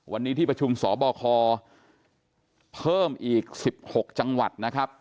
วันนี้ที่ประชุมสบคเพิ่มอีก๑๖จังหวัดนะครับ